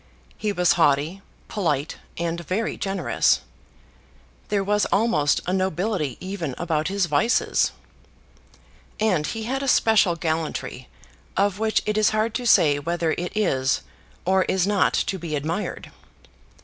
He was haughty, polite, and very generous. There was almost a nobility even about his vices. And he had a special gallantry of which it is hard to say whether it is or is not to be admired.